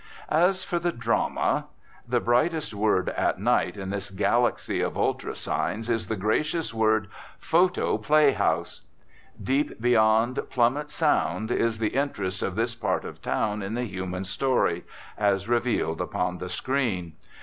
As for the drama. The brightest word at night in this galaxy of ultra signs is the gracious word "Photo Play House." Deep beyond plummet's sound is the interest of this part of town in the human story, as revealed upon the "screen."